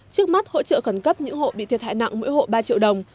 trước mắt hỗ trợ khẩn cấp những hộ bị thiệt hại nặng mỗi hộ ba triệu đồng